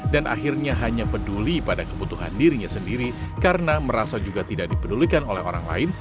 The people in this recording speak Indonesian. dan akhirnya hanya peduli pada kebutuhan dirinya sendiri karena merasa juga tidak dipedulikan oleh orang lain